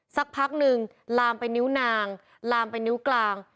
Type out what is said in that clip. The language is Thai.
สักพักหนึ่งลามไปนิ้วนางลามไปนิ้วกลาง